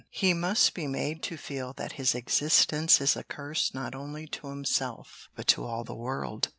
He must be made to feel that his existence is a curse not only to himself but to all the world.